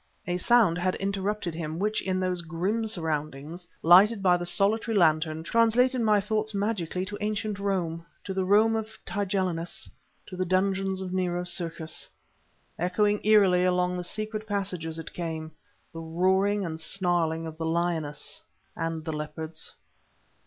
A sound had interrupted him, which, in those grim surroundings, lighted by the solitary lantern, translated my thoughts magically to Ancient Rome, to the Rome of Tigellinus, to the dungeons of Nero's Circus. Echoing eerily along the secret passages it came the roaring and snarling of the lioness and the leopards.